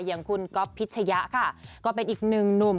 อย่างคุณก๊อฟพิชยะค่ะก็เป็นอีกหนึ่งหนุ่ม